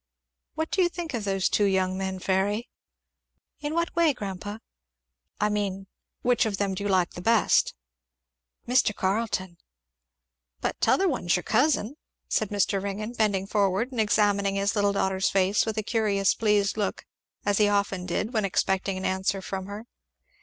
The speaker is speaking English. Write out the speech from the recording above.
"What do you think of those two young men, Fairy?" "In what way, grandpa?" "I mean, which of them do you like the best?" "Mr. Carleton." "But t'other one's your cousin," said Mr. Ringgan, bending forward and examining his little granddaughter's face with a curious pleased look, as he often did when expecting an answer from her.